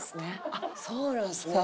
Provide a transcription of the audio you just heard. あっそうなんですね。